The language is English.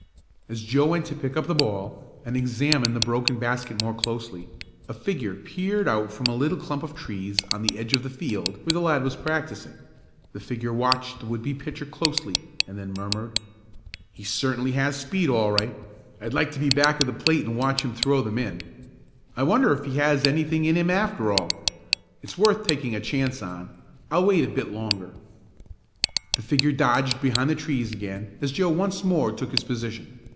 As Joe went to pick up the ball and examine the broken basket more closely a figure peered out from a little clump of trees on the edge of the field where the lad was practicing. The figure watched the would be pitcher closely and then murmured: "He certainly has speed all right. I'd like to be back of the plate and watch him throw them in. I wonder if he has anything in him after all? It's worth taking a chance on. I'll wait a bit longer." The figure dodged behind the trees again as Joe once more took his position.